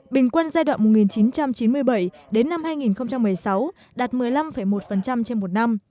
bình quân giai đoạn một nghìn chín trăm chín mươi bảy đến năm hai nghìn một mươi sáu đạt một mươi năm một trên một năm